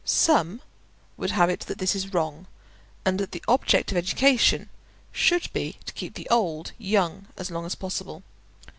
Some would have it that this is wrong, and that the object of education should be to keep the old young as long as possible.